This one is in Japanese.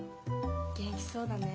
元気そうだね。